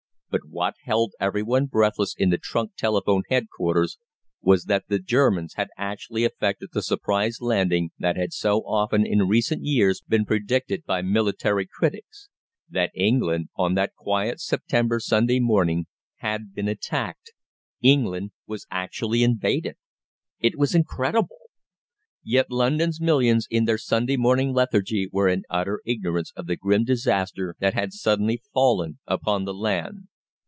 But what held everyone breathless in the trunk telephone headquarters was that the Germans had actually effected the surprise landing that had so often in recent years been predicted by military critics; that England on that quiet September Sunday morning had been attacked. England was actually invaded. It was incredible! Yet London's millions in their Sunday morning lethargy were in utter ignorance of the grim disaster that had suddenly fallen upon the land.